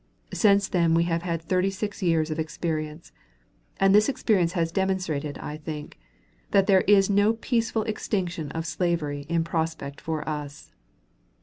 Since then we have had thirty six years of experience; and this experience has demonstrated, I think, that there is no peaceful extinction of slavery in prospect for us.